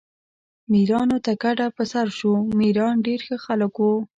میرانو ته کډه په سر شو، میران ډېر ښه خلک وو.